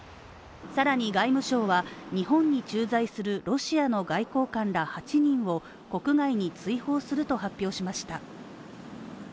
更に外務省は、日本に駐在するロシアの外交官ら８人を国外に追放すると発表しました。